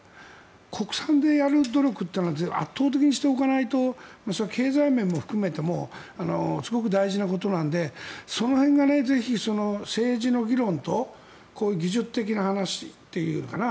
国産でやる努力って圧倒的にしておかないとそれは経済面も含めてもすごく大事なことなのでその辺がぜひ、政治の議論とこういう技術的な話というのかな